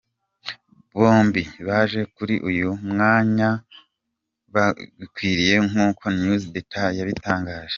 Bombi baje kuri uyu mwanya babikwiriye nkuko news de star yabitangaje.